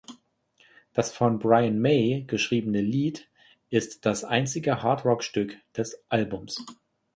Das von Brian May geschriebene Lied ist das einzige Hard-Rock-Stück des Albums.